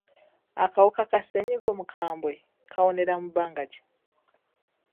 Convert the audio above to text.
Akawuka ka ssenyiga omukambwe kawonera mu bbanga ki?